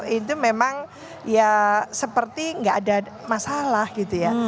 itu memang ya seperti nggak ada masalah gitu ya